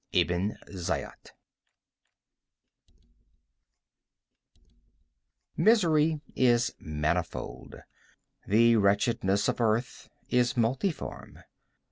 —Ebn Zaiat. Misery is manifold. The wretchedness of earth is multiform.